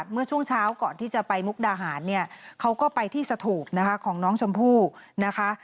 เมื่อช่วงเช้าก่อนที่จะไปมุกดาหารเนี่ยเขาก็ไปที่สถูปนะคะของน้องชมพู่นะคะ